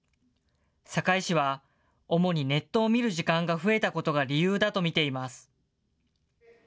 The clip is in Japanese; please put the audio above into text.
堺市は主にネットを見る時間が増えたことが理由だと見ています。